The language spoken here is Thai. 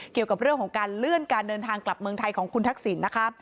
เกี่ยวกับเรื่องของการเลื่อนการเดินทางกลับเมืองไทยของคุณทักษิณนะคะ